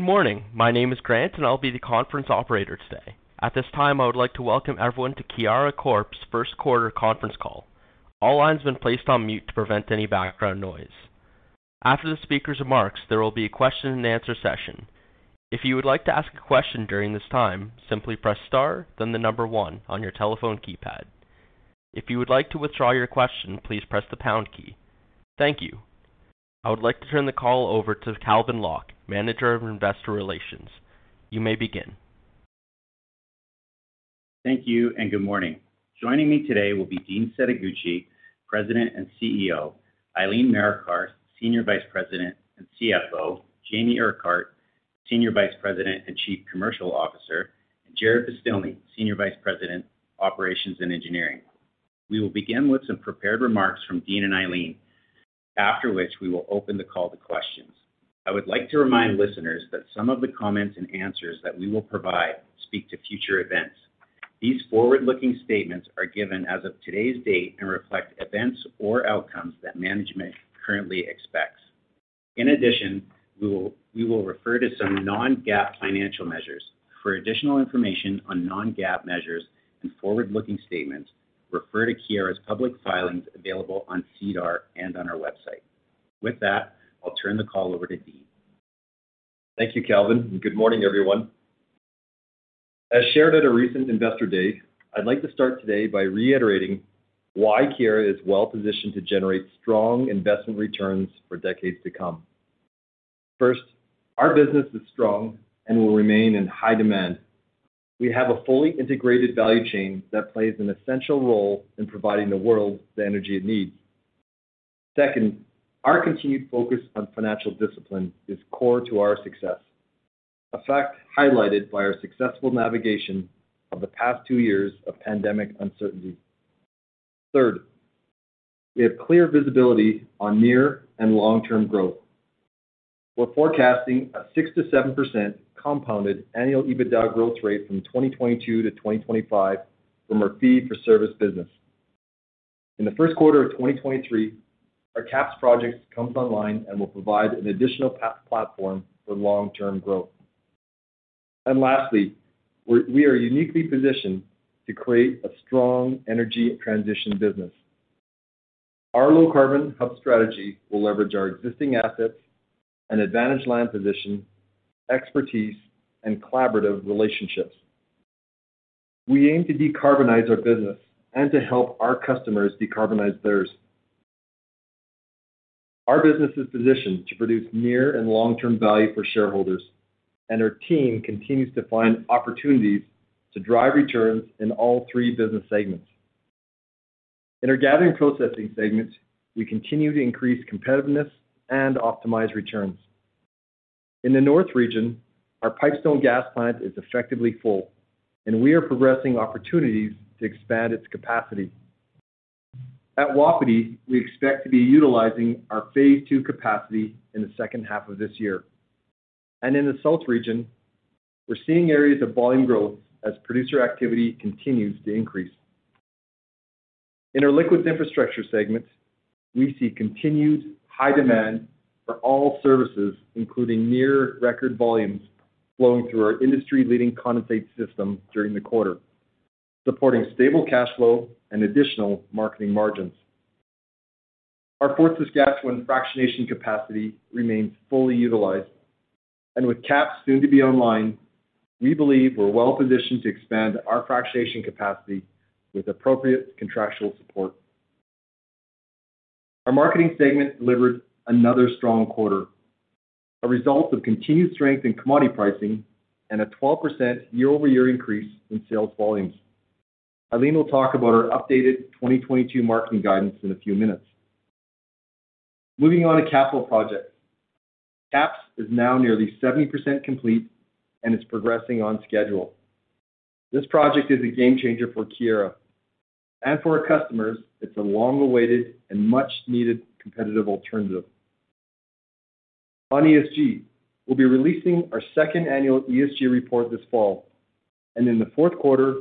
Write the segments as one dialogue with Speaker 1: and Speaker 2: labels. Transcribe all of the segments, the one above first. Speaker 1: Good morning. My name is Grant, and I'll be the conference operator today. At this time, I would like to welcome everyone to Keyera Corp's first quarter conference call. All lines have been placed on mute to prevent any background noise. After the speaker's remarks, there will be a question and answer session. If you would like to ask a question during this time, simply press star then the number one on your telephone keypad. If you would like to withdraw your question, please press the pound key. Thank you. I would like to turn the call over to Calvin Locke, Manager of Investor Relations. You may begin.
Speaker 2: Thank you and good morning. Joining me today will be Dean Setoguchi, President and CEO, Eileen Marikar, Senior Vice President and CFO, Jamie Urquhart, Senior Vice President and Chief Commercial Officer, and Jarrod Beztilny, Senior Vice President, Operations and Engineering. We will begin with some prepared remarks from Dean and Eileen, after which we will open the call to questions. I would like to remind listeners that some of the comments and answers that we will provide speak to future events. These forward-looking statements are given as of today's date and reflect events or outcomes that management currently expects. In addition, we will refer to some non-GAAP financial measures. For additional information on non-GAAP measures and forward-looking statements, refer to Keyera's public filings available on SEDAR and on our website. With that, I'll turn the call over to Dean.
Speaker 3: Thank you, Calvin, and good morning, everyone. As shared at a recent Investor Day, I'd like to start today by reiterating why Keyera is well positioned to generate strong investment returns for decades to come. First, our business is strong and will remain in high demand. We have a fully integrated value chain that plays an essential role in providing the world the energy it needs. Second, our continued focus on financial discipline is core to our success. A fact highlighted by our successful navigation of the past two years of pandemic uncertainty. Third, we have clear visibility on near and long-term growth. We're forecasting a 6%-7% compounded annual EBITDA growth rate from 2022 to 2025 from our fee-for-service business. In the first quarter of 2023, our KAPS project comes online and will provide an additional platform for long-term growth. Lastly, we are uniquely positioned to create a strong energy transition business. Our low carbon hub strategy will leverage our existing assets and advantage land position, expertise, and collaborative relationships. We aim to decarbonize our business and to help our customers decarbonize theirs. Our business is positioned to produce near and long-term value for shareholders, and our team continues to find opportunities to drive returns in all three business segments. In our Gathering & Processing segment, we continue to increase competitiveness and optimize returns. In the north region, our Pipestone gas plant is effectively full, and we are progressing opportunities to expand its capacity. At Wapiti, we expect to be utilizing our phase II capacity in the second half of this year. In the south region, we're seeing areas of volume growth as producer activity continues to increase. In our Liquids Infrastructure segment, we see continued high demand for all services, including near record volumes flowing through our industry-leading condensate system during the quarter, supporting stable cash flow and additional marketing margins. Our Fort Saskatchewan fractionation capacity remains fully utilized. With KAPS soon to be online, we believe we're well positioned to expand our fractionation capacity with appropriate contractual support. Our Marketing segment delivered another strong quarter, a result of continued strength in commodity pricing and a 12% year-over-year increase in sales volumes. Eileen will talk about our updated 2022 Marketing guidance in a few minutes. Moving on to capital projects. KAPS is now nearly 70% complete and is progressing on schedule. This project is a game-changer for Keyera and for our customers. It's a long-awaited and much-needed competitive alternative. On ESG, we'll be releasing our second annual ESG report this fall, and in the fourth quarter,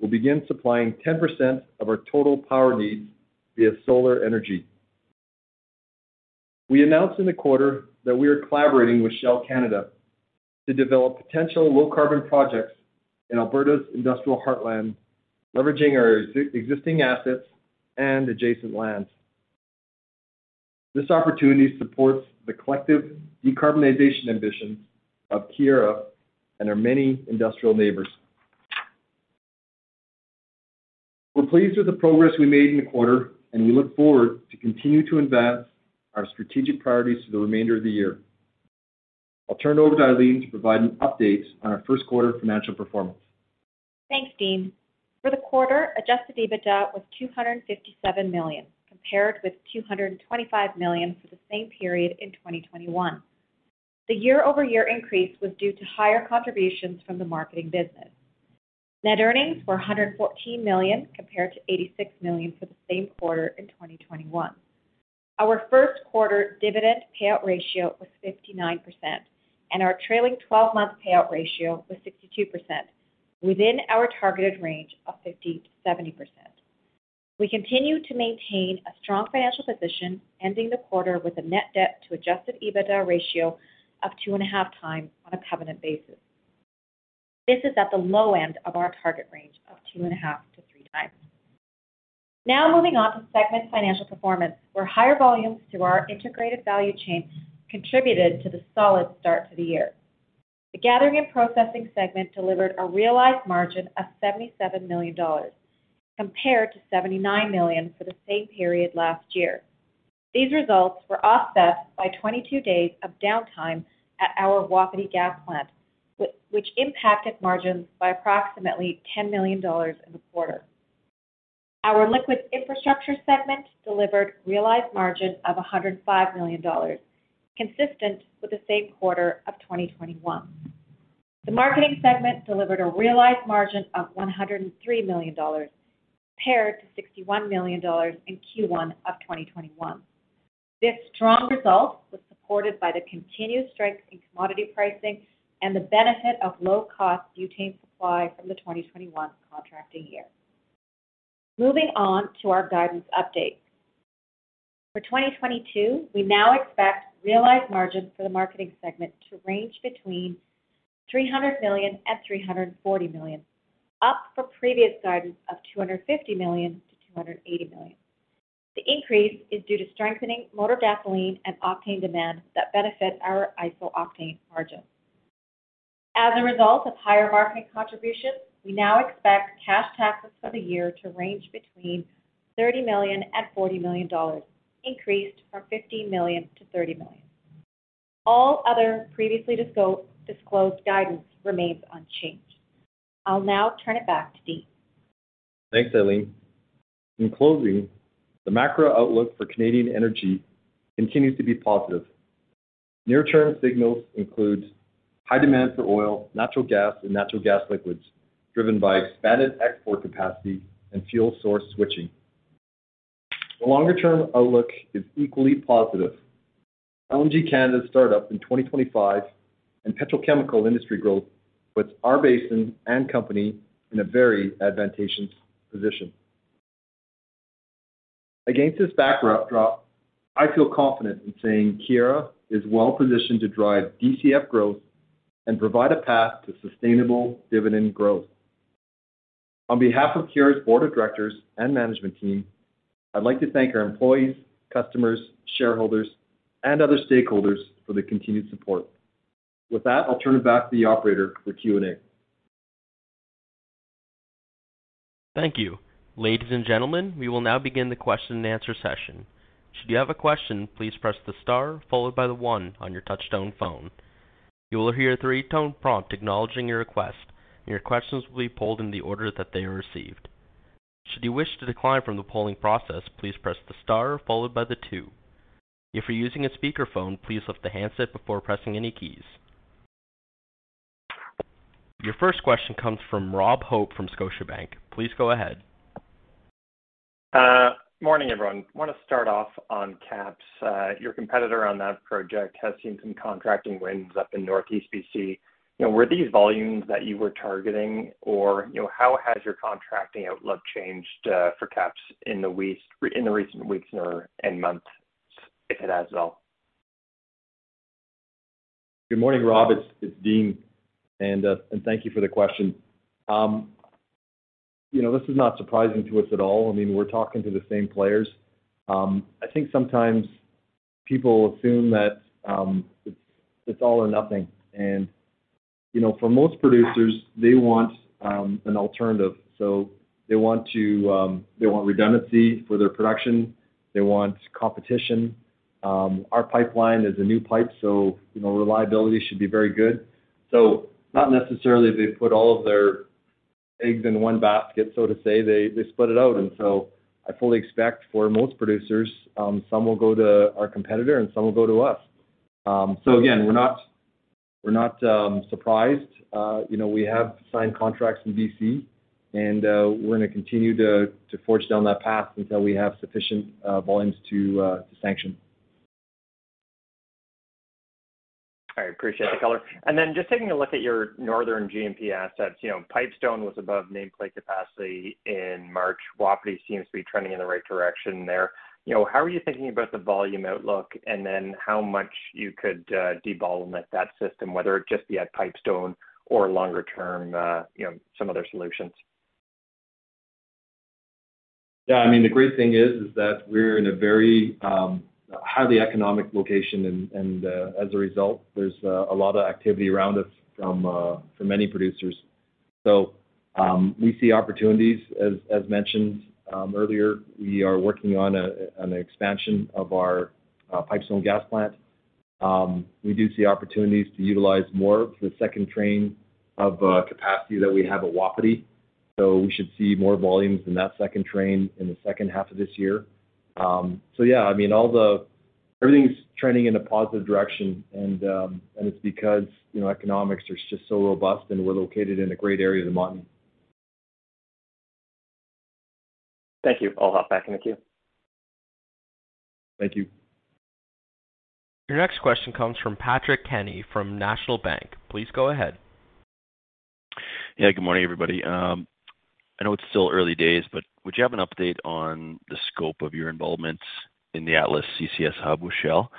Speaker 3: we'll begin supplying 10% of our total power needs via solar energy. We announced in the quarter that we are collaborating with Shell Canada to develop potential low-carbon projects in Alberta's industrial heartland, leveraging our existing assets and adjacent lands. This opportunity supports the collective decarbonization ambitions of Keyera and our many industrial neighbors. We're pleased with the progress we made in the quarter, and we look forward to continue to advance our strategic priorities for the remainder of the year. I'll turn it over to Eileen to provide an update on our first quarter financial performance.
Speaker 4: Thanks, Dean. For the quarter, adjusted EBITDA was 257 million, compared with 225 million for the same period in 2021. The year-over-year increase was due to higher contributions from the marketing business. Net earnings were 114 million compared to 86 million for the same quarter in 2021. Our first quarter dividend payout ratio was 59%, and our trailing twelve-month payout ratio was 62%, within our targeted range of 50%-70%. We continue to maintain a strong financial position, ending the quarter with a net debt to adjusted EBITDA ratio of 2.5 times on a covenant basis. This is at the low end of our target range of 2.5-3 times. Now moving on to segment financial performance, where higher volumes through our integrated value chain contributed to the solid start to the year. The Gathering and Processing segment delivered a realized margin of 77 million dollars, compared to 79 million for the same period last year. These results were offset by 22 days of downtime at our Wapiti gas plant, which impacted margins by approximately 10 million dollars in the quarter. Our Liquids Infrastructure segment delivered realized margin of 105 million dollars, consistent with the same quarter of 2021. The Marketing segment delivered a realized margin of 103 million dollars, compared to 61 million dollars in Q1 of 2021. This strong result was supported by the continued strength in commodity pricing and the benefit of low-cost butane supply from the 2021 contracting year. Moving on to our guidance update. For 2022, we now expect realized margins for the marketing segment to range between 300 million and 340 million, up from previous guidance of 250 million-280 million. The increase is due to strengthening motor gasoline and octane demand that benefit our iso-octane margins. As a result of higher marketing contributions, we now expect cash taxes for the year to range between 30 million and 40 million dollars, increased from 15 million-30 million. All other previously disclosed guidance remains unchanged. I'll now turn it back to Dean.
Speaker 3: Thanks, Eileen. In closing, the macro outlook for Canadian energy continues to be positive. Near-term signals include high demand for oil, natural gas, and natural gas liquids, driven by expanded export capacity and fuel source switching. The longer-term outlook is equally positive. LNG Canada's startup in 2025 and petrochemical industry growth puts our basin and company in a very advantageous position. Against this backdrop, I feel confident in saying Keyera is well positioned to drive DCF growth and provide a path to sustainable dividend growth. On behalf of Keyera's board of directors and management team, I'd like to thank our employees, customers, shareholders, and other stakeholders for their continued support. With that, I'll turn it back to the operator for Q&A.
Speaker 1: Thank you. Ladies and gentlemen, we will now begin the question-and-answer session. Should you have a question, please press the star followed by the one on your touchtone phone. You will hear a three-tone prompt acknowledging your request, and your questions will be polled in the order that they are received. Should you wish to decline from the polling process, please press the star followed by the two. If you're using a speakerphone, please lift the handset before pressing any keys. Your first question comes from Robert Hope from Scotiabank. Please go ahead.
Speaker 5: Morning, everyone. Want to start off on KAPS. Your competitor on that project has seen some contracting wins up in Northeast BC. You know, were these volumes that you were targeting or, you know, how has your contracting outlook changed for KAPS in the recent weeks or, and months, if it has at all?
Speaker 3: Good morning, Rob. It's Dean, and thank you for the question. You know, this is not surprising to us at all. I mean, we're talking to the same players. I think sometimes people assume that it's all or nothing. You know, for most producers, they want an alternative. They want to, they want redundancy for their production. They want competition. Our pipeline is a new pipe, so you know, reliability should be very good. Not necessarily they put all of their eggs in one basket, so to say. They split it out. I fully expect for most producers, some will go to our competitor and some will go to us. Again, we're not surprised. You know, we have signed contracts in BC, and we're gonna continue to forge down that path until we have sufficient volumes to sanction.
Speaker 5: I appreciate the color. Then just taking a look at your northern G&P assets, you know, Pipestone was above nameplate capacity in March. Wapiti seems to be trending in the right direction there. You know, how are you thinking about the volume outlook and then how much you could debottleneck at that system, whether it just be at Pipestone or longer term, you know, some other solutions?
Speaker 3: Yeah, I mean, the great thing is that we're in a very highly economic location and as a result there's a lot of activity around us from many producers. We see opportunities. As mentioned earlier, we are working on an expansion of our Pipestone gas plant. We do see opportunities to utilize more of the second train of capacity that we have at Wapiti, so we should see more volumes in that second train in the second half of this year. Yeah, I mean, Everything's trending in a positive direction and it's because, you know, economics are just so robust, and we're located in a great area of the Montney.
Speaker 5: Thank you. I'll hop back in the queue.
Speaker 3: Thank you.
Speaker 1: Your next question comes from Patrick Kenny from National Bank Financial. Please go ahead.
Speaker 6: Yeah, good morning, everybody. I know it's still early days, but would you have an update on the scope of your involvement in the Atlas CCS hub with Shell?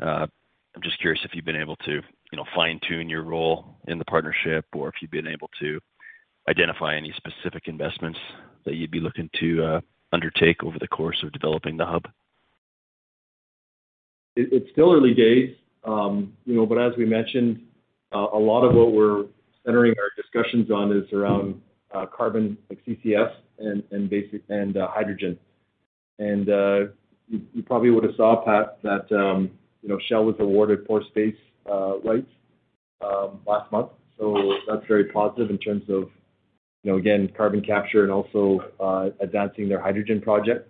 Speaker 6: I'm just curious if you've been able to, you know, fine-tune your role in the partnership or if you've been able to identify any specific investments that you'd be looking to undertake over the course of developing the hub.
Speaker 3: It's still early days, you know, but as we mentioned, a lot of what we're centering our discussions on is around carbon like CCS and hydrogen. You probably would have saw, Pat, that, you know, Shell was awarded pore space rights last month. That's very positive in terms of, you know, again, carbon capture and also advancing their hydrogen project.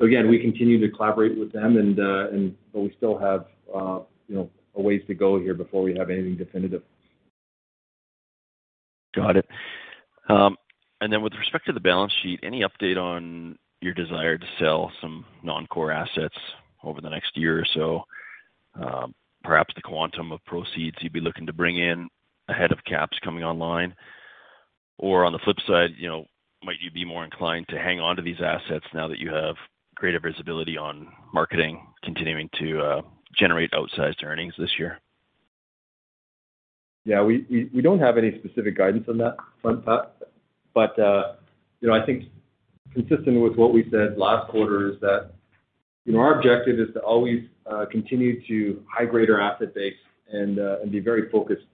Speaker 3: We continue to collaborate with them and, but we still have, you know, a ways to go here before we have anything definitive.
Speaker 6: Got it. With respect to the balance sheet, any update on your desire to sell some non-core assets over the next year or so? Perhaps the quantum of proceeds you'd be looking to bring in ahead of KAPS coming online? On the flip side, you know, might you be more inclined to hang on to these assets now that you have greater visibility on marketing continuing to generate outsized earnings this year?
Speaker 3: Yeah, we don't have any specific guidance on that front, Pat. You know, I think consistent with what we said last quarter is that, you know, our objective is to always continue to high-grade our asset base and be very focused.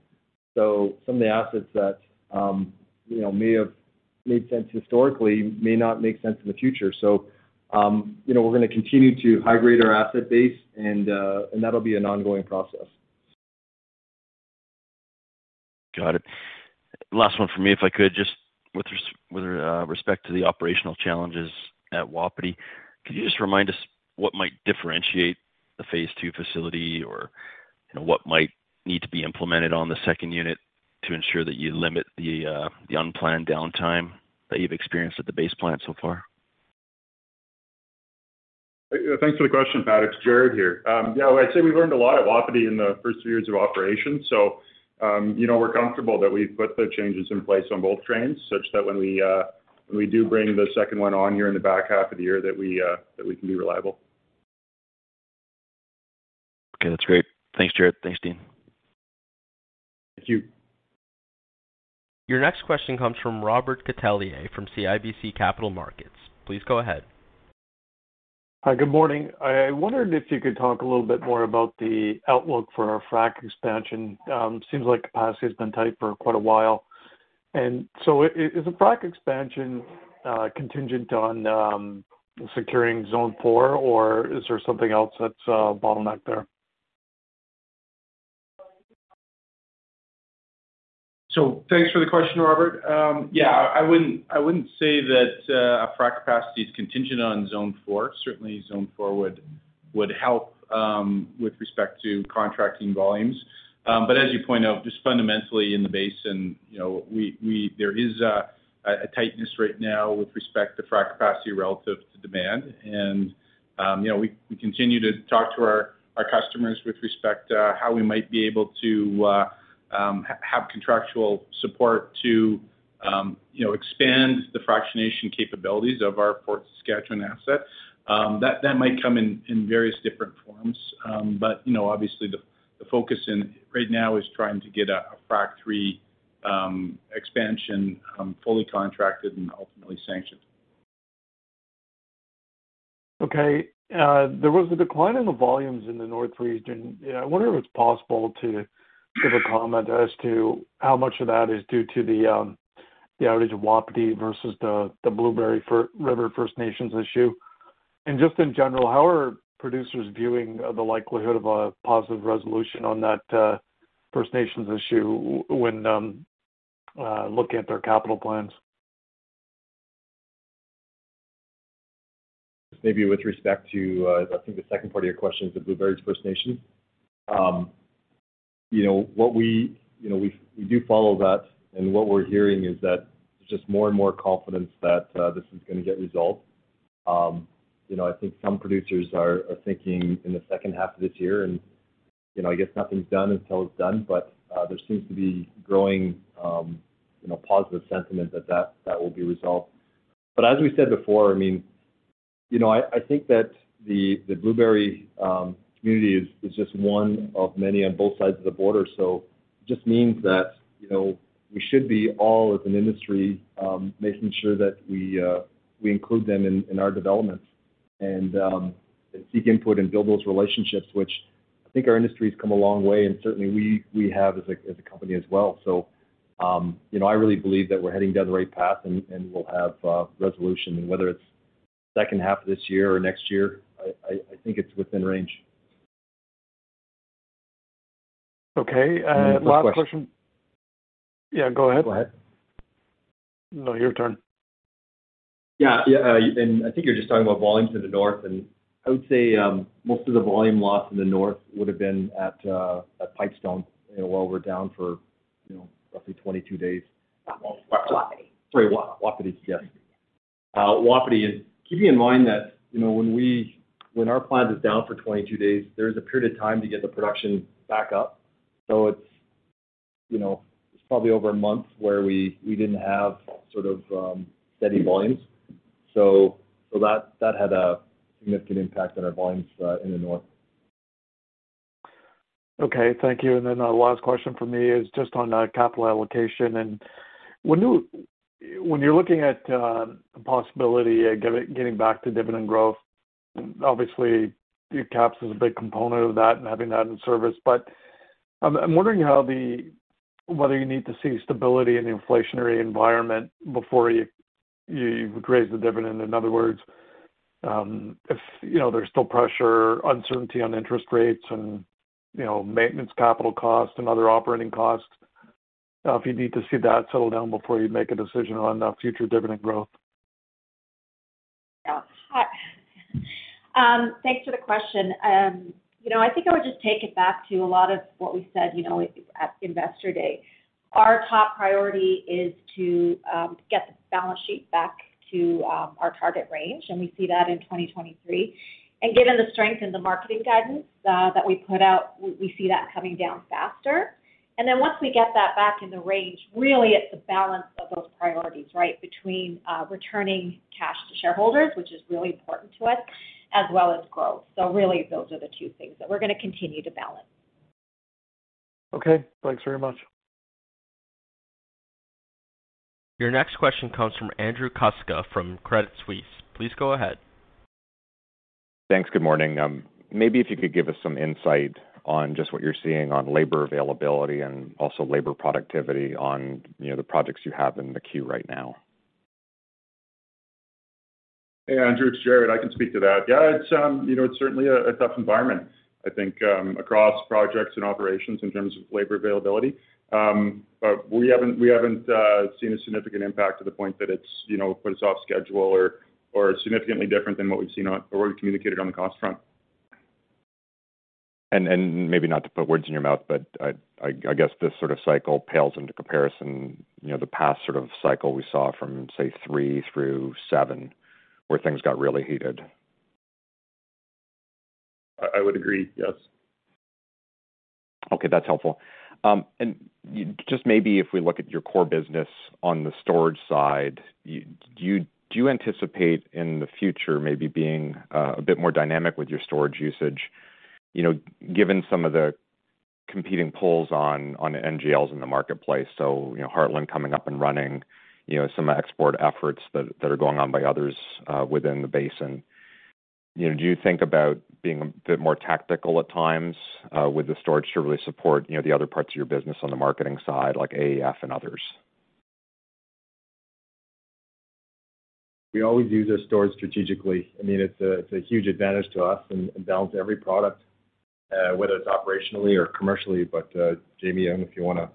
Speaker 3: Some of the assets that, you know, may have made sense historically may not make sense in the future. You know, we're gonna continue to high-grade our asset base and that'll be an ongoing process.
Speaker 6: Got it. Last one for me, if I could. Just with respect to the operational challenges at Wapiti, could you just remind us what might differentiate the phase II facility or, you know, what might need to be implemented on the second unit to ensure that you limit the unplanned downtime that you've experienced at the base plant so far?
Speaker 7: Thanks for the question, Pat. It's Jarrod here. Yeah, I'd say we've learned a lot at Wapiti in the first few years of operation. You know, we're comfortable that we've put the changes in place on both trains such that when we do bring the second one on here in the back half of the year, that we can be reliable.
Speaker 6: Okay, that's great. Thanks, Jarrod. Thanks, Dean.
Speaker 3: Thank you.
Speaker 1: Your next question comes from Robert Catellier from CIBC Capital Markets. Please go ahead.
Speaker 8: Hi. Good morning. I wondered if you could talk a little bit more about the outlook for a Frac expansion. Seems like capacity has been tight for quite a while. Is the Frac expansion contingent on securing Zone 4, or is there something else that's bottlenecked there?
Speaker 3: Thanks for the question, Robert. Yeah, I wouldn't say that our frac capacity is contingent on Zone 4. Certainly, Zone 4 would help with respect to contracting volumes. But as you point out, just fundamentally in the basin, you know, there is a tightness right now with respect to frac capacity relative to demand. You know, we continue to talk to our customers with respect to how we might be able to have contractual support to expand the fractionation capabilities of our Fort Saskatchewan asset. That might come in various different forms. You know, obviously, the focus right now is trying to get a Frac three expansion fully contracted and ultimately sanctioned.
Speaker 8: There was a decline in the volumes in the north region. I wonder if it's possible to give a comment as to how much of that is due to the outage of Wapiti versus the Blueberry River First Nations issue. Just in general, how are producers viewing the likelihood of a positive resolution on that First Nations issue when looking at their capital plans?
Speaker 3: Maybe with respect to, I think the second part of your question is the Blueberry River First Nations. You know, we do follow that, and what we're hearing is that there's just more and more confidence that this is gonna get resolved. You know, I think some producers are thinking in the second half of this year, and you know, I guess nothing's done until it's done, but there seems to be growing you know, positive sentiment that will be resolved. As we said before, I mean, you know, I think that the Blueberry River First Nations community is just one of many on both sides of the border. It just means that, you know, we should be all as an industry, making sure that we include them in our developments and seek input and build those relationships, which I think our industry's come a long way, and certainly we have as a company as well. You know, I really believe that we're heading down the right path and we'll have resolution, and whether it's second half of this year or next year, I think it's within range.
Speaker 8: Okay. Last question.
Speaker 3: Any more questions?
Speaker 8: Yeah, go ahead.
Speaker 3: Go ahead.
Speaker 8: No, your turn.
Speaker 3: Yeah. Yeah, I think you're just talking about volumes in the north. I would say most of the volume loss in the north would have been at Pipestone, you know, while we're down for
Speaker 7: You know, roughly 22 days.
Speaker 9: Wapiti.
Speaker 7: Sorry, Wapiti. Yes. Wapiti is keeping in mind that, you know, when our plant is down for 22 days, there's a period of time to get the production back up. It's, you know, it's probably over a month where we didn't have sort of steady volumes. That had a significant impact on our volumes in the north.
Speaker 8: Okay. Thank you. Then last question from me is just on capital allocation. When you're looking at the possibility of getting back to dividend growth, obviously your KAPS is a big component of that and having that in service. I'm wondering whether you need to see stability in the inflationary environment before you raise the dividend. In other words, if you know, there's still pressure, uncertainty on interest rates and you know, maintenance capital costs and other operating costs, if you need to see that settle down before you make a decision on the future dividend growth.
Speaker 9: Yeah. Thanks for the question. You know, I think I would just take it back to a lot of what we said, you know, at Investor Day. Our top priority is to get the balance sheet back to our target range, and we see that in 2023. Given the strength in the marketing guidance that we put out, we see that coming down faster. Then once we get that back in the range, really it's a balance of those priorities, right? Between returning cash to shareholders, which is really important to us, as well as growth. Really, those are the two things that we're gonna continue to balance.
Speaker 8: Okay. Thanks very much.
Speaker 1: Your next question comes from Andrew Kuske from Credit Suisse. Please go ahead.
Speaker 10: Thanks. Good morning. Maybe if you could give us some insight on just what you're seeing on labor availability and also labor productivity on, you know, the projects you have in the queue right now?
Speaker 7: Hey, Andrew, it's Jarrod. I can speak to that. Yeah, it's you know, it's certainly a tough environment, I think, across projects and operations in terms of labor availability. But we haven't seen a significant impact to the point that it's you know, put us off schedule or significantly different than what we've seen or we've communicated on the cost front.
Speaker 10: Maybe not to put words in your mouth, but I guess this sort of cycle pales into comparison, you know, the past sort of cycle we saw from, say, three through seven, where things got really heated.
Speaker 7: I would agree, yes.
Speaker 10: Okay, that's helpful. Just maybe if we look at your core business on the storage side, do you anticipate in the future maybe being a bit more dynamic with your storage usage, you know, given some of the competing pulls on NGLs in the marketplace? You know, Heartland coming up and running, you know, some export efforts that are going on by others within the basin. You know, do you think about being a bit more tactical at times with the storage to really support, you know, the other parts of your business on the marketing side, like AEF and others?
Speaker 7: We always use our storage strategically. I mean, it's a huge advantage to us and balance every product. Jamie, I don't know if you wanna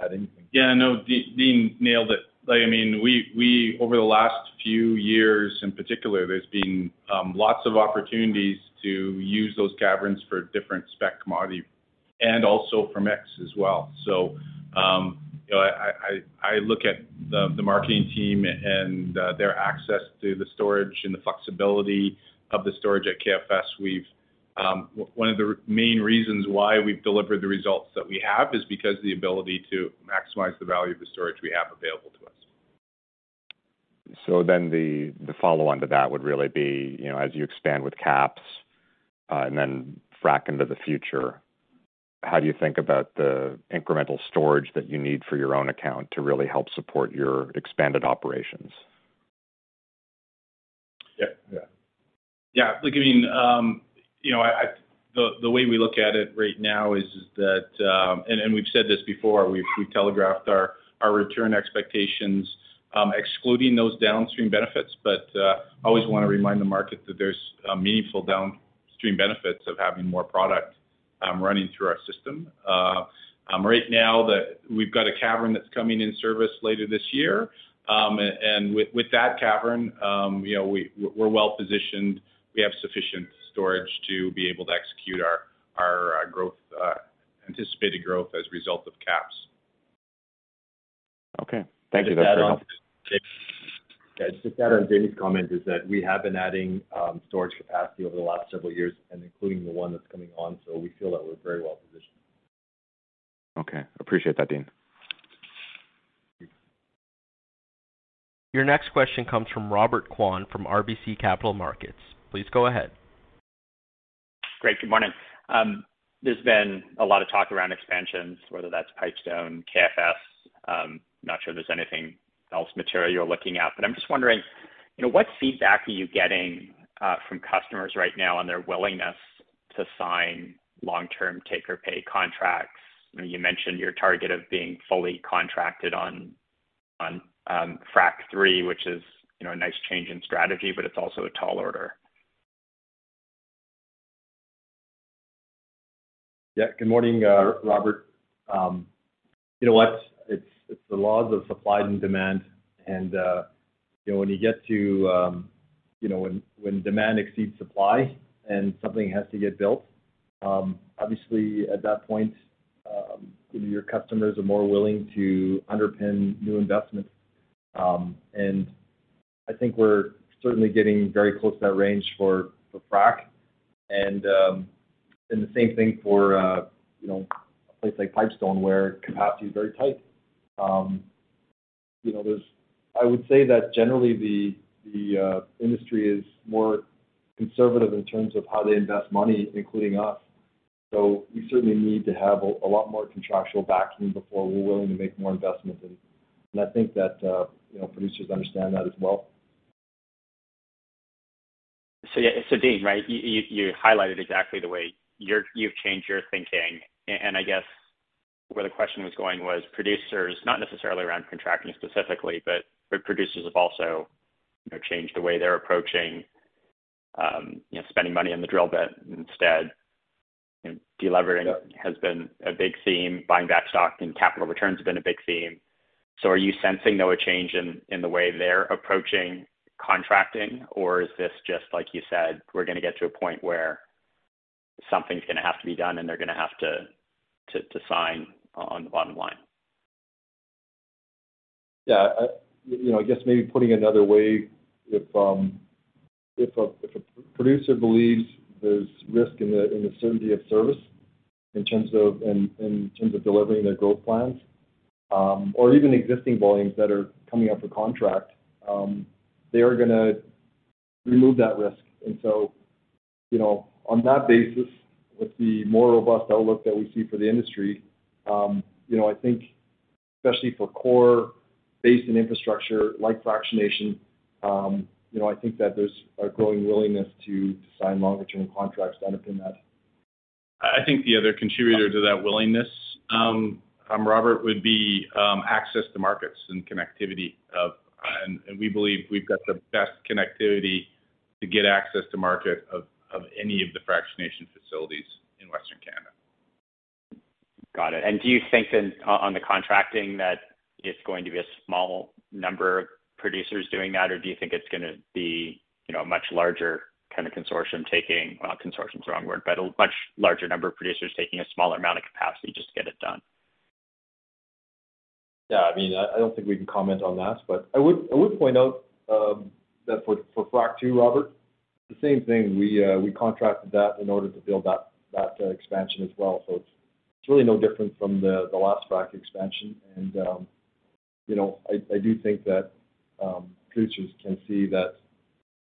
Speaker 7: add anything.
Speaker 9: Yeah, no, Dean nailed it. I mean, over the last few years in particular, there's been lots of opportunities to use those caverns for different spec commodity and also from X as well. So, you know, I look at the marketing team and their access to the storage and the flexibility of the storage at KFS. One of the main reasons why we've delivered the results that we have is because the ability to maximize the value of the storage we have available to us.
Speaker 10: The follow-on to that would really be, you know, as you expand with KAPS, and then frac into the future, how do you think about the incremental storage that you need for your own account to really help support your expanded operations?
Speaker 7: Look, I mean, you know, the way we look at it right now is that and we've said this before. We've telegraphed our return expectations, excluding those downstream benefits. I always wanna remind the market that there's meaningful downstream benefits of having more product running through our system. Right now we've got a cavern that's coming into service later this year. With that cavern, you know, we're well-positioned. We have sufficient storage to be able to execute our anticipated growth as a result of KAPS.
Speaker 10: Okay. Thank you. That's very helpful.
Speaker 7: Yeah. Just to add on Jamie's comment is that we have been adding storage capacity over the last several years and including the one that's coming on, so we feel that we're very well-positioned.
Speaker 10: Okay. Appreciate that, Dean.
Speaker 1: Your next question comes from Robert Kwan from RBC Capital Markets. Please go ahead.
Speaker 11: Great. Good morning. There's been a lot of talk around expansions, whether that's Pipestone, KFS, not sure if there's anything else material you're looking at, but I'm just wondering, you know, what feedback are you getting from customers right now on their willingness to sign long-term take or pay contracts? You mentioned your target of being fully contracted on Frac III, which is, you know, a nice change in strategy, but it's also a tall order.
Speaker 7: Yeah. Good morning, Robert. You know what? It's the laws of supply and demand and, you know, when you get to,
Speaker 3: You know, when demand exceeds supply and something has to get built, obviously at that point, your customers are more willing to underpin new investments. I think we're certainly getting very close to that range for frac. The same thing for you know a place like Pipestone where capacity is very tight. You know, I would say that generally the industry is more conservative in terms of how they invest money, including us. We certainly need to have a lot more contractual backing before we're willing to make more investments. I think that you know producers understand that as well.
Speaker 11: Yeah. Dean, right, you highlighted exactly the way you've changed your thinking. I guess where the question was going was producers, not necessarily around contracting specifically, but where producers have also, you know, changed the way they're approaching, you know, spending money on the drill bit instead. You know, de-levering.
Speaker 3: Yeah.
Speaker 11: has been a big theme. Buying back stock and capital returns have been a big theme. Are you sensing, though, a change in the way they're approaching contracting? Or is this just like you said, we're gonna get to a point where something's gonna have to be done and they're gonna have to sign on the bottom line?
Speaker 3: Yeah. I, you know, I guess maybe putting it another way, if a producer believes there's risk in the certainty of service in terms of delivering their growth plans, or even existing volumes that are coming up for contract, they are gonna remove that risk. You know, on that basis, with the more robust outlook that we see for the industry, you know, I think especially for core basin infrastructure like fractionation, you know, I think that there's a growing willingness to sign longer term contracts to underpin that.
Speaker 7: I think the other contributor to that willingness, Robert, would be access to markets and connectivity. We believe we've got the best connectivity to get access to market of any of the fractionation facilities in Western Canada.
Speaker 11: Got it. Do you think then on the contracting that it's going to be a small number of producers doing that? Or do you think it's gonna be, you know, a much larger kind of consortium taking, well, consortium's the wrong word, but a much larger number of producers taking a smaller amount of capacity just to get it done?
Speaker 3: Yeah. I mean, I don't think we can comment on that. I would point out that for Frac II, Robert, the same thing, we contracted that in order to build that expansion as well. It's really no different from the last Frac expansion. You know, I do think that producers can see that,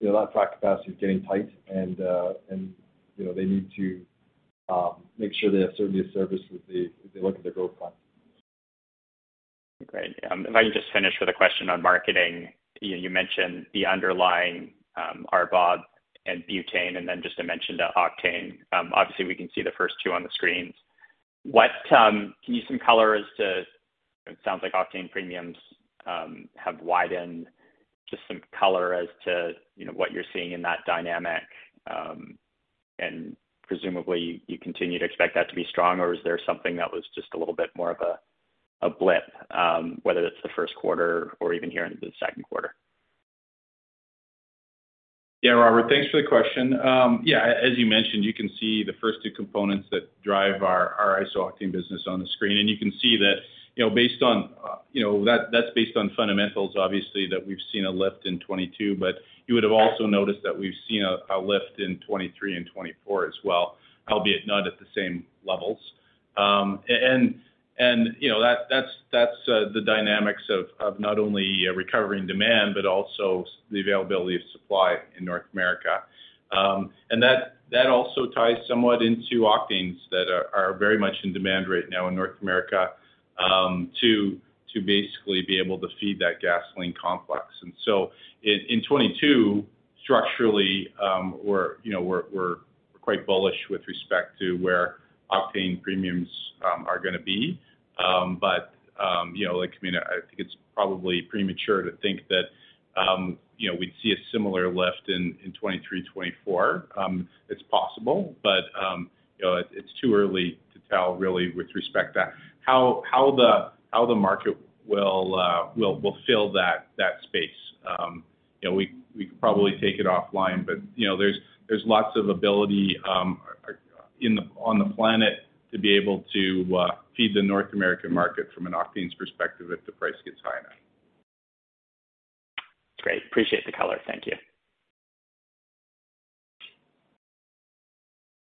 Speaker 3: you know, that Frac capacity is getting tight and, you know, they need to make sure they have certainty of service as they look at their growth plans.
Speaker 11: Great. If I could just finish with a question on marketing. You mentioned the underlying RBOB and butane, and then just mentioned the octane. Obviously we can see the first two on the screens. What can you give some color as to. It sounds like octane premiums have widened. Just some color as to, you know, what you're seeing in that dynamic. And presumably you continue to expect that to be strong, or is there something that was just a little bit more of a blip, whether it's the first quarter or even here in the second quarter?
Speaker 7: Yeah, Robert, thanks for the question. Yeah, as you mentioned, you can see the first two components that drive our iso-octane business on the screen. You can see that, you know, based on, you know, that's based on fundamentals, obviously, that we've seen a lift in 2022, but you would have also noticed that we've seen a lift in 2023 and 2024 as well, albeit not at the same levels. And you know, that's the dynamics of not only recovering demand, but also the availability of supply in North America. And that also ties somewhat into octanes that are very much in demand right now in North America, to basically be able to feed that gasoline complex. In 2022 structurally, you know, we're quite bullish with respect to where octane premiums are gonna be. But you know, like, I mean, I think it's probably premature to think that you know, we'd see a similar lift in 2023, 2024. It's possible, but you know, it's too early to tell really with respect to how the market will fill that space. You know, we could probably take it offline, but you know, there's lots of ability on the planet to be able to feed the North American market from an octane's perspective if the price gets high enough.
Speaker 11: Great. Appreciate the color. Thank you.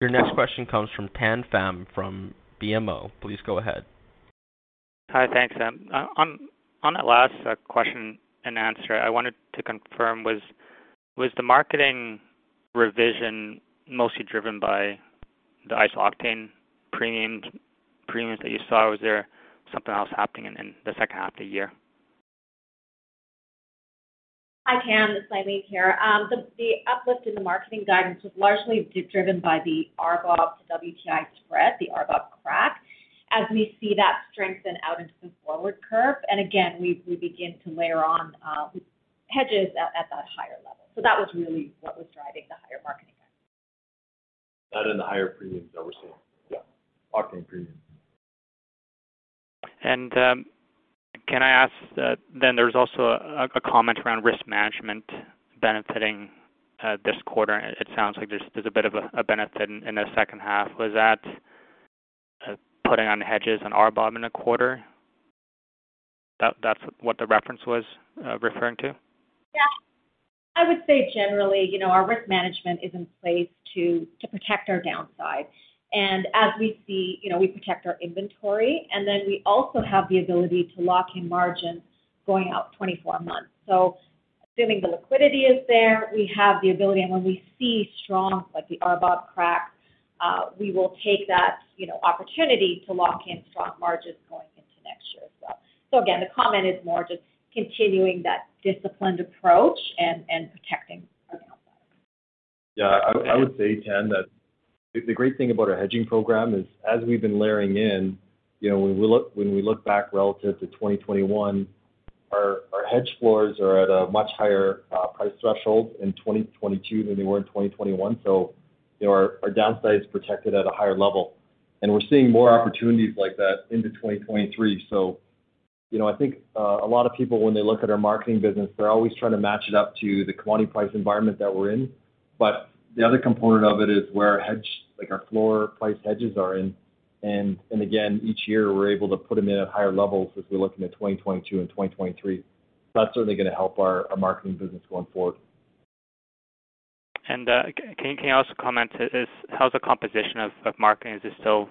Speaker 1: Your next question comes from Ben Pham from BMO. Please go ahead.
Speaker 12: Hi. Thanks. On that last question and answer, I wanted to confirm, was the Marketing revision mostly driven by the iso-octane premiums that you saw? Or was there something else happening in the second half of the year?
Speaker 4: Hi, Ben, it's Eileen here. The uplift in the marketing guidance was largely driven by the RBOB to WTI spread, the RBOB crack, as we see that strengthen out into the forward curve. Again, we begin to layer on hedges at that higher level. That was really what was driving the higher marketing guidance.
Speaker 3: That and the higher premiums that we're seeing.
Speaker 7: Yeah.
Speaker 3: Octane premiums.
Speaker 12: There's also a comment around risk management benefiting this quarter. It sounds like there's a bit of a benefit in the second half. Was that putting on hedges on RBOB in the quarter? That's what the reference was referring to?
Speaker 4: Yeah. I would say generally, you know, our risk management is in place to protect our downside. As we see, you know, we protect our inventory, and then we also have the ability to lock in margins going out 24 months. Assuming the liquidity is there, we have the ability. When we see strong, like the RBOB crack, we will take that, you know, opportunity to lock in strong margins going into next year as well. Again, the comment is more just continuing that disciplined approach and protecting our downside.
Speaker 7: Yeah. I would say, Tan, that the great thing about our hedging program is as we've been layering in, you know, when we look back relative to 2021, our hedge floors are at a much higher price threshold in 2022 than they were in 2021. I think a lot of people, when they look at our marketing business, they're always trying to match it up to the commodity price environment that we're in. The other component of it is where our hedge, like our floor priced hedges are in. Again, each year, we're able to put them in at higher levels as we look into 2022 and 2023. That's certainly gonna help our marketing business going forward.
Speaker 12: Can you also comment on how's the composition of marketing? Is it still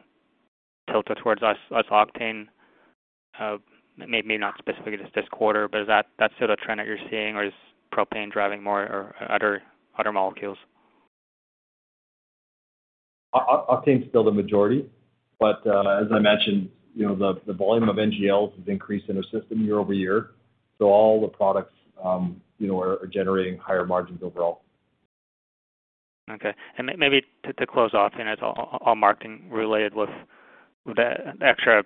Speaker 12: tilted towards iso-octane? Maybe not specifically just this quarter, but is that still a trend that you're seeing or is propane driving more or other molecules?
Speaker 7: Octane is still the majority, but as I mentioned, you know, the volume of NGLs has increased in our system year-over-year. All the products, you know, are generating higher margins overall.
Speaker 12: Okay. Maybe to close off, you know, it's all marketing related with the extra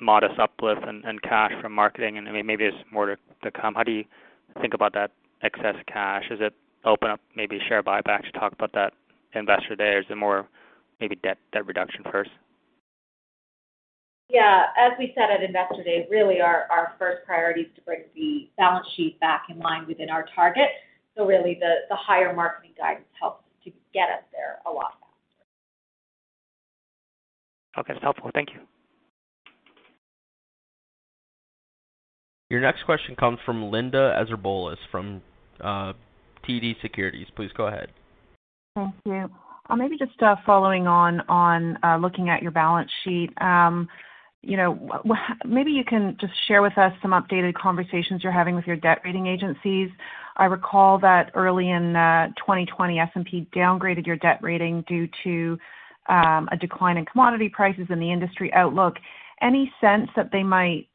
Speaker 12: modest uplift and cash from marketing, and I mean, maybe there's more to come. How do you think about that excess cash? Does it open up maybe share buybacks? You talked about that at Investor Day. Is it more maybe debt reduction first?
Speaker 4: Yeah. As we said at Investor Day, really our first priority is to bring the balance sheet back in line within our target. Really the higher marketing guidance helps to get us there a lot faster.
Speaker 12: Okay. That's helpful. Thank you.
Speaker 1: Your next question comes from Linda Ezergailis from TD Securities. Please go ahead.
Speaker 13: Thank you. Maybe just, following on, looking at your balance sheet. You know, maybe you can just share with us some updated conversations you're having with your debt rating agencies. I recall that early in 2020 S&P downgraded your debt rating due to a decline in commodity prices in the industry outlook. Any sense that they might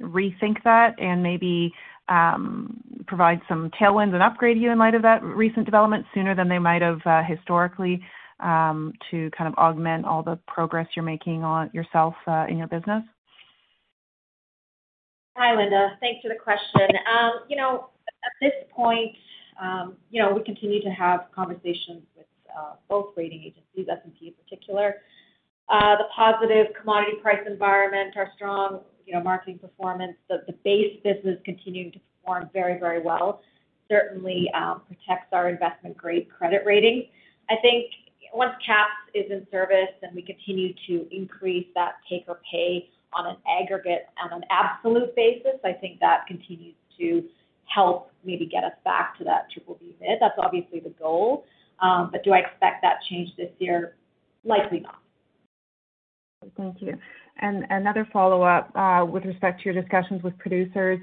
Speaker 13: rethink that and maybe provide some tailwinds and upgrade you in light of that recent development sooner than they might have historically to kind of augment all the progress you're making on yourself in your business?
Speaker 4: Hi, Linda. Thanks for the question. At this point, we continue to have conversations with both rating agencies, S&P in particular. The positive commodity price environment are strong. You know, marketing performance, the base business continuing to perform very, very well, certainly protects our investment-grade credit rating. I think once KAPS is in service, and we continue to increase that take or pay on an aggregate absolute basis, I think that continues to help maybe get us back to that BBB mid. That's obviously the goal. Do I expect that change this year? Likely not.
Speaker 13: Thank you. Another follow-up, with respect to your discussions with producers,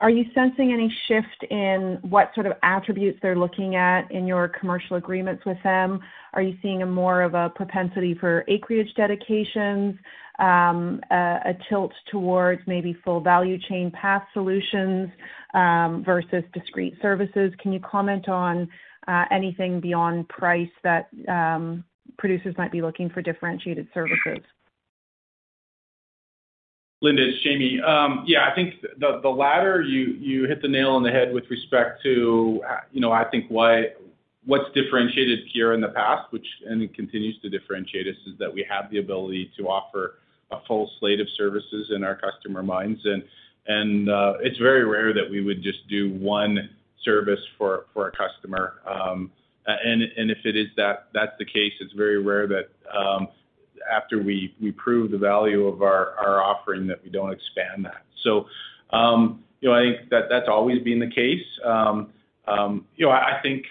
Speaker 13: are you sensing any shift in what sort of attributes they're looking at in your commercial agreements with them? Are you seeing a more of a propensity for acreage dedications, a tilt towards maybe full value chain path solutions, versus discrete services? Can you comment on anything beyond price that producers might be looking for differentiated services?
Speaker 7: Linda, it's Jamie. Yeah, I think the latter, you hit the nail on the head with respect to, you know, I think what's differentiated Keyera in the past, which and it continues to differentiate us, is that we have the ability to offer a full slate of services in our customer minds. And it's very rare that we would just do one service for a customer. And if it is that that's the case, it's very rare that after we prove the value of our offering that we don't expand that. You know, I think that that's always been the case. You know, I think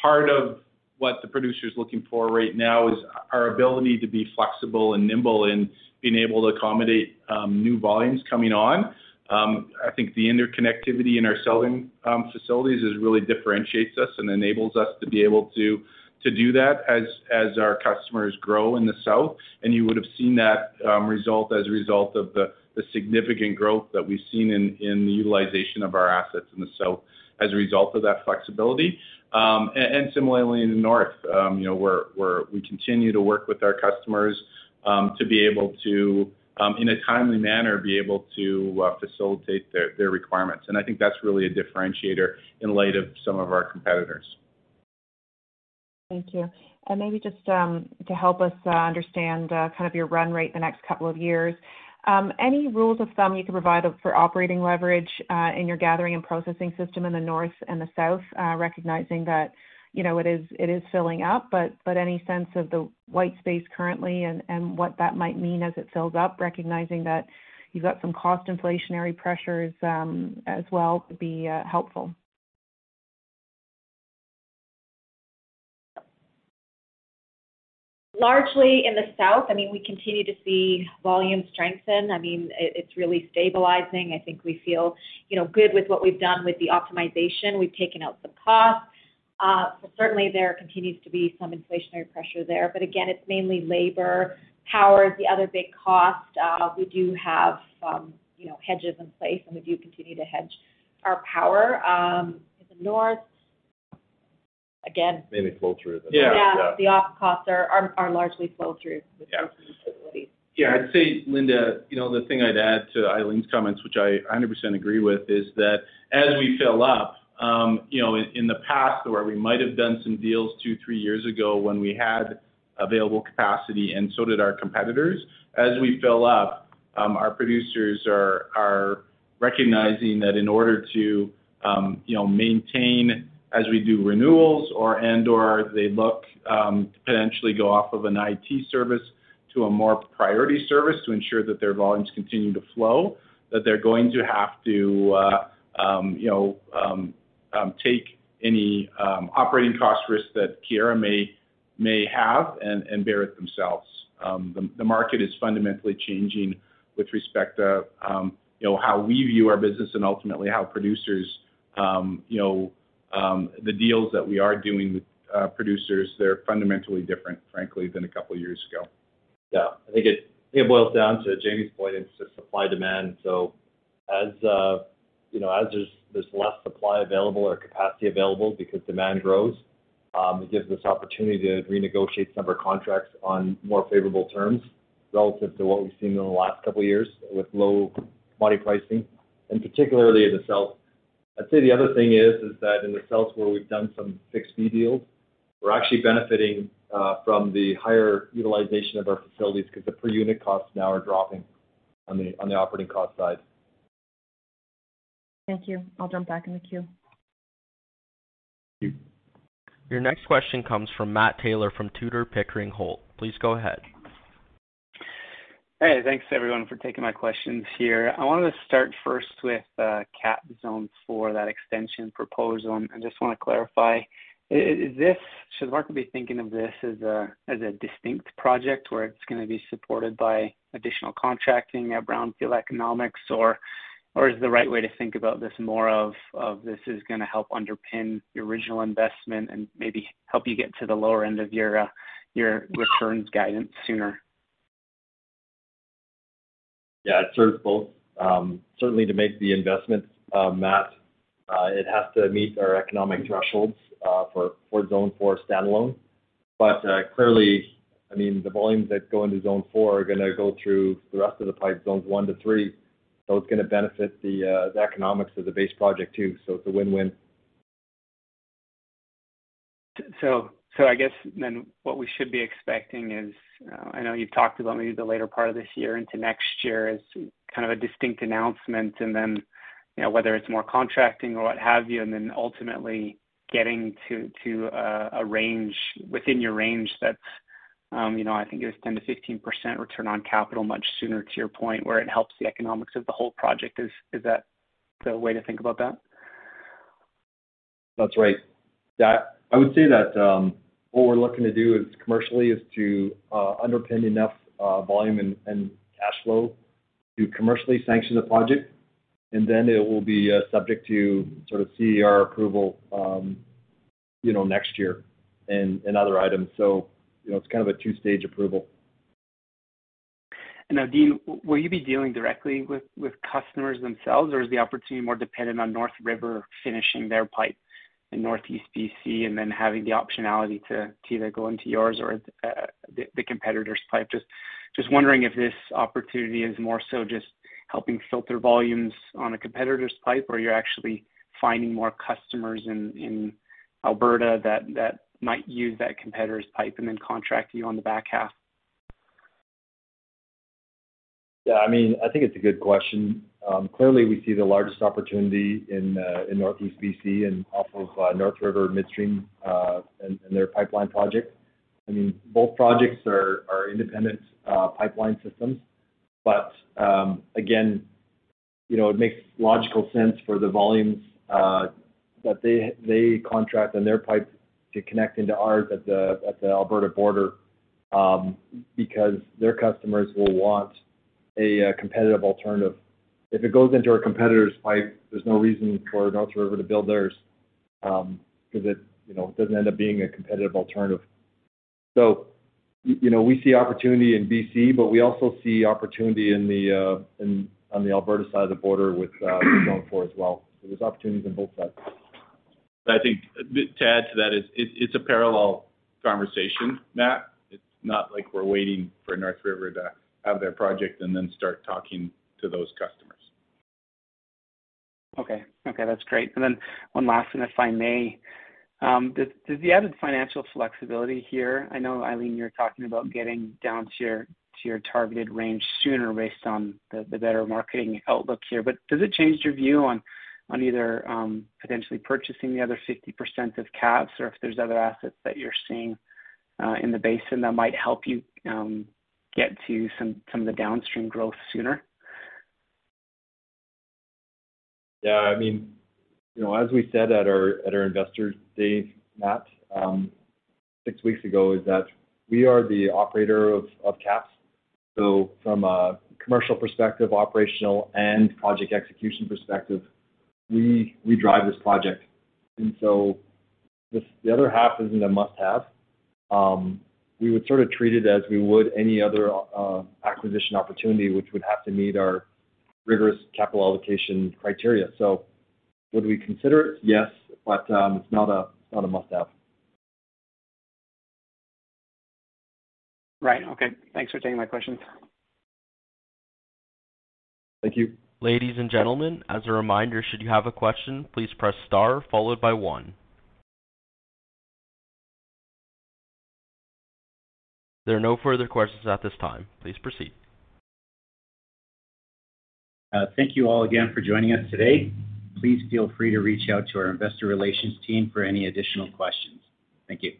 Speaker 7: part of what the producer is looking for right now is our ability to be flexible and nimble in being able to accommodate new volumes coming on. I think the interconnectivity in our selling facilities is really differentiates us and enables us to be able to do that as our customers grow in the south. You would have seen that result as a result of the significant growth that we've seen in the utilization of our assets in the south as a result of that flexibility. Similarly in the north, you know, we continue to work with our customers to be able to in a timely manner facilitate their requirements. I think that's really a differentiator in light of some of our competitors.
Speaker 3: Thank you. Maybe just to help us understand kind of your run rate the next couple of years, any rules of thumb you can provide us for operating leverage in your gathering and processing system in the north and the south, recognizing that, you know, it is filling up, but any sense of the white space currently and what that might mean as it fills up, recognizing that you've got some cost inflationary pressures as well would be helpful.
Speaker 4: Largely in the south, I mean, we continue to see volume strengthen. I mean, it's really stabilizing. I think we feel, you know, good with what we've done with the optimization. We've taken out some costs. But certainly there continues to be some inflationary pressure there. But again, it's mainly labor. Power is the other big cost. We do have some, you know, hedges in place, and we do continue to hedge our power. In the north, again.
Speaker 7: Mainly flow-through.
Speaker 3: Yeah.
Speaker 4: Yeah. The op costs are largely flow-through.
Speaker 7: Yeah.
Speaker 4: -facilities.
Speaker 7: Yeah, I'd say, Linda, you know, the thing I'd add to Eileen's comments, which I 100% agree with, is that as we fill up, you know, in the past where we might have done some deals 2-3 years ago when we had available capacity and so did our competitors, as we fill up, our producers are recognizing that in order to, you know, maintain as we do renewals or and/or they look to potentially go off of an IT service to a more priority service to ensure that their volumes continue to flow, that they're going to have to, you know, take any operating cost risk that Keyera may have and bear it themselves. The market is fundamentally changing with respect to, you know, how we view our business and ultimately how producers, you know, the deals that we are doing with producers, they're fundamentally different, frankly, than a couple years ago.
Speaker 3: Yeah. I think it boils down to Jamie's point. It's just supply and demand. As you know, as there's less supply available or capacity available because demand grows, it gives us opportunity to renegotiate some of our contracts on more favorable terms relative to what we've seen in the last couple of years with low commodity pricing, and particularly in the south. I'd say the other thing is that in the south where we've done some fixed-fee deals, we're actually benefiting from the higher utilization of our facilities because the per unit costs now are dropping on the operating cost side.
Speaker 4: Thank you. I'll jump back in the queue.
Speaker 7: Thank you.
Speaker 1: Your next question comes from Matt Taylor from Tudor, Pickering, Holt & Co. Please go ahead.
Speaker 14: Hey, thanks everyone for taking my questions here. I wanted to start first with KAPS Zone 4, that extension proposal. I just wanna clarify. Should the market be thinking of this as a distinct project where it's gonna be supported by additional contracting at brownfield economics or is the right way to think about this more of this is gonna help underpin your original investment and maybe help you get to the lower end of your returns guidance sooner?
Speaker 3: Yeah, it's sort of both. Certainly to make the investments, Matt, it has to meet our economic thresholds for Zone Four standalone. Clearly, I mean, the volumes that go into Zone Four are gonna go through the rest of the pipe zones one to three, so it's gonna benefit the economics of the base project too. It's a win-win.
Speaker 14: I guess then what we should be expecting is, I know you've talked about maybe the later part of this year into next year as kind of a distinct announcement. Then, you know, whether it's more contracting or what have you, and then ultimately getting to a range within your range that's, you know, I think it was 10%-15% return on capital much sooner to your point where it helps the economics of the whole project. Is that the way to think about that?
Speaker 3: That's right. I would say that what we're looking to do, commercially, is to underpin enough volume and cash flow to commercially sanction the project. Then it will be subject to sort of CER approval, you know, next year and other items. You know, it's kind of a two-stage approval.
Speaker 14: Now will you be dealing directly with customers themselves, or is the opportunity more dependent on NorthRiver finishing their pipe in Northeast BC and then having the optionality to either go into yours or the competitor's pipe? Just wondering if this opportunity is more so just helping filter volumes on a competitor's pipe or you're actually finding more customers in Alberta that might use that competitor's pipe and then contract you on the back half.
Speaker 3: Yeah, I mean, I think it's a good question. Clearly we see the largest opportunity in Northeast BC and off of NorthRiver Midstream and their pipeline project. I mean, both projects are independent pipeline systems. Again, you know, it makes logical sense for the volumes that they contract on their pipe to connect into ours at the Alberta border, because their customers will want a competitive alternative. If it goes into our competitor's pipe, there's no reason for NorthRiver to build theirs, because it, you know, doesn't end up being a competitive alternative. You know, we see opportunity in BC, but we also see opportunity in on the Alberta side of the border with Zone 4 as well. There's opportunities on both sides.
Speaker 7: I think to add to that is it's a parallel conversation, Matt. It's not like we're waiting for NorthRiver to have their project and then start talking to those customers.
Speaker 14: Okay. Okay, that's great. One last thing, if I may. Does the added financial flexibility here, I know, Eileen, you're talking about getting down to your targeted range sooner based on the better marketing outlook here, change your view on either potentially purchasing the other 60% of KAPS or if there's other assets that you're seeing in the basin that might help you get to some of the downstream growth sooner?
Speaker 3: Yeah, I mean, you know, as we said at our investor day, Matt, six weeks ago, is that we are the operator of KAPS. So from a commercial perspective, operational, and project execution perspective, we drive this project. This, the other half, isn't a must-have. We would sort of treat it as we would any other acquisition opportunity, which would have to meet our rigorous capital allocation criteria. So would we consider it? Yes, but it's not a must-have.
Speaker 14: Right. Okay. Thanks for taking my questions.
Speaker 7: Thank you.
Speaker 1: Ladies and gentlemen, as a reminder, should you have a question, please press star followed by one. There are no further questions at this time. Please proceed.
Speaker 4: Thank you all again for joining us today. Please feel free to reach out to our investor relations team for any additional questions. Thank you.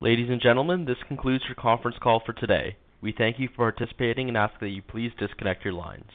Speaker 1: Ladies and gentlemen, this concludes your conference call for today. We thank you for participating and ask that you please disconnect your lines.